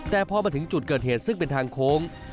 แต่พอมาถึงจุดเกิดเหตุซึ่งเป็นทางโค้ง